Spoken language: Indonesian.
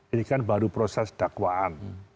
ini kan baru proses dakwaan